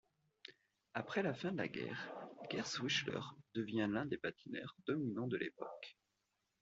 Après la fin de la guerre, Gerschwiler devient l'un des patineurs dominant de l'époque.